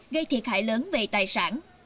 gây thiệt hại lớn về tài sản